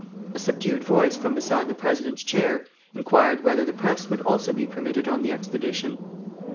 A subdued voice from beside the President's chair inquired whether the press would also be permitted on the expedition.